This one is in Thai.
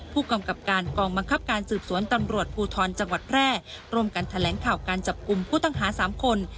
ผู้กำกับการกองบังคับการสืบสวนตำรวจภูทรจังหวัดแพร่ร่วมกันแถลงข่าวการจับกลุ่มผู้ต้องหา๓คน